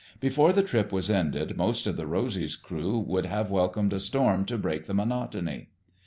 Before the trip was ended most of the Rosy's crew would have welcomed a storm to break the monotony.